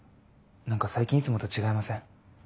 何か最近いつもと違いません？